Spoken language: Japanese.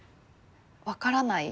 分からない